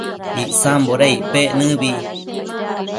Icsamboda icpec nëbi?